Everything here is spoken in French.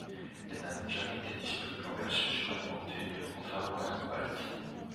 Elle n'a jamais été disponible en version suralimentée contrairement à la Cobalt.